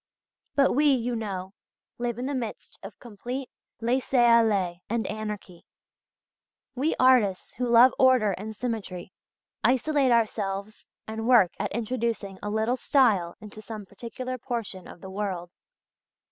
But we, you know, live in the midst of complete laisser aller and anarchy; we artists who love order and symmetry isolate ourselves and work at introducing a little style into some particular portion of the world" (page 59).